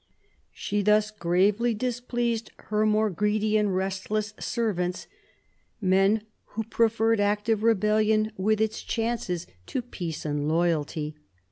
She thus gravely displeased her more greedy and restless servants, men who preferred active rebellion with its chances to peace 116 THE BISHOP OF LUQON 117 and loyalty.